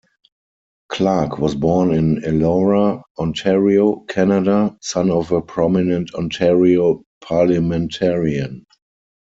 Clarke was born in Elora, Ontario, Canada, son of a prominent Ontario parliamentarian.